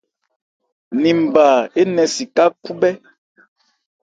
Ninba énɛn si ká khúbhɛ́.